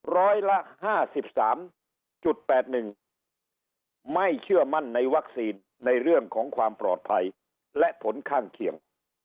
ร้อยละ๕๓๘๑ไม่เชื่อมั่นในวัคซีนในเรื่องของความปลอดภัยและผลข้างเคียง